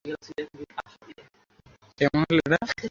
এর প্রতিবাদে কিছু স্কুলের শিক্ষার্থী রা বিক্ষোভ-আন্দোলন করেছে।